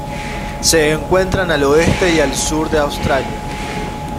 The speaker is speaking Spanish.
Se encuentran al oeste y al sur de Australia.